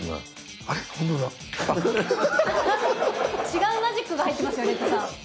違うマジックが入ってますよレッドさん。